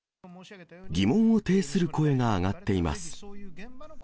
疑問を呈する声が上がっています。